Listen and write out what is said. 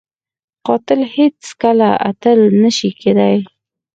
قاتل هیڅ کله اتل نه شي کېدای